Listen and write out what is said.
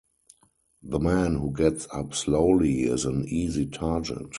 The man who gets up slowly is an easy target.